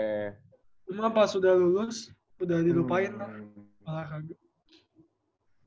cuma pas udah lulus udah dilupain lah